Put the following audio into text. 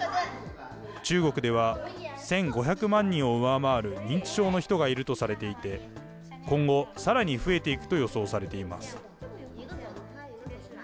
中国では、１５００万人を上回る認知症の人がいるとされていて、今後、さらに増えていくと予想されています。